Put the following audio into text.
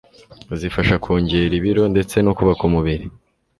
zifasha kongera ibiro ndetse no kubaka umubiri.